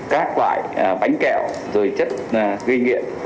các loại bánh kẹo rồi chất ghi nghiện